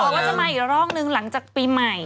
เขาบอกว่าจะมาอีกรองนึงหลังจากปีใหม่